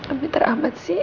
ambil teramat sih